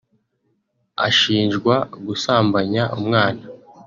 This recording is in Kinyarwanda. Ashinjwa gusambanya umwana